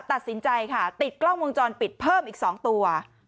ตัดสินใจค่ะติดกล้องวงจรปิดเพิ่มอีก๒ตัว